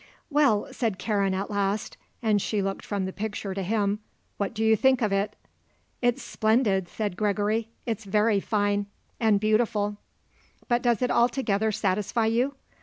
"Well," said Karen at last, and she looked from the picture to him. "What do you think of it?" "It's splendid," said Gregory. "It's very fine. And beautiful." "But does it altogether satisfy you?"